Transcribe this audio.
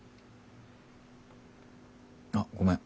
あっごめん。